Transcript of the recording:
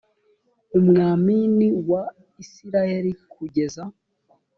umwamin wa isirayeli kugeza